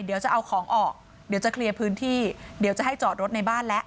เดี๋ยวจะเอาของออกเดี๋ยวจะเคลียร์พื้นที่เดี๋ยวจะให้จอดรถในบ้านแล้ว